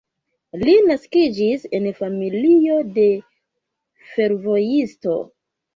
Li naskiĝis en familio de fervojisto.